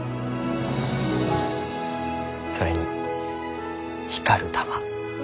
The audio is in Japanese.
それに光る玉。